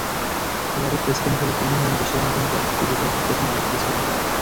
Hillary president হলে তিনিই হবেন বিশ্বের অন্যতম পরাশক্তি যুক্তরাষ্ট্রের প্রথম নারী প্রেসিডেন্ট।